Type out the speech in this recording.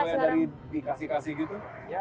kalau dari dikasih kasih gitu